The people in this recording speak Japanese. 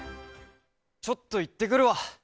ちょっと行ってくるわ。